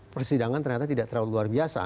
persidangan ternyata tidak terlalu luar biasa